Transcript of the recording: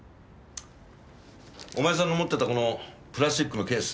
お前さんの持ってたこのプラスチックのケース。